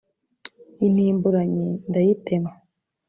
intimburanyi ndayitema